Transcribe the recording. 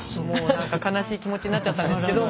何か悲しい気持ちになっちゃったんですけど。